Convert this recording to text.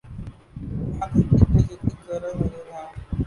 یہاںتحقیق کے جدید ذرائع موجود ہیں۔